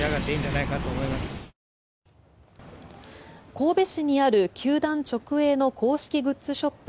神戸市にある球団直営の公式グッズショップ